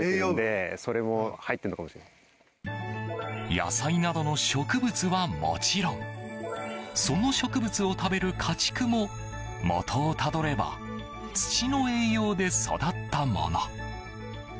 野菜などの植物はもちろんその植物を食べる家畜も元をたどれば土の栄養で育ったもの。